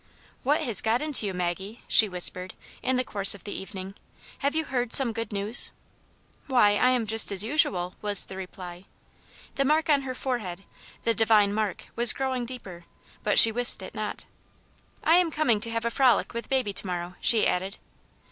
" What has got into you, Maggie ?" she whispered, in the course of the evening. " Have you heard some good news?" " Why, I am just as usual," was the reply. The mark on her forehead, the divine mark, was growing deeper, but she wist it not. " I am coming to have a frolic with baby to morrow," she added.